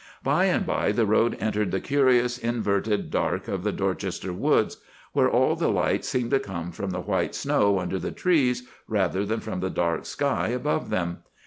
"By and by the road entered the curious inverted dark of the Dorchester woods, where all the light seemed to come from the white snow under the trees rather than from the dark sky above them.